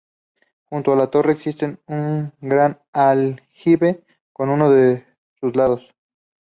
Junto a la torre existe un gran aljibe con uno de sus lados.